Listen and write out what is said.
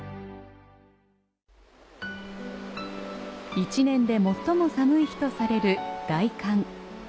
１年で最も寒い日とされる大寒。